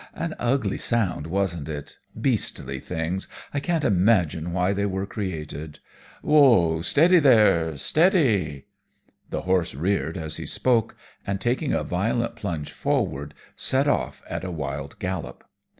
"An ugly sound, wasn't it? Beastly things, I can't imagine why they were created. Whoa steady there, steady." The horse reared as he spoke, and taking a violent plunge forward, set off at a wild gallop.